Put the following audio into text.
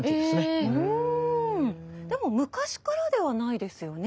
でも昔からではないですよね？